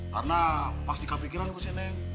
karena pasti kepikiran gue si neng